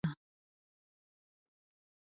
ځان به خلاص کړمه له دې تیاره زندانه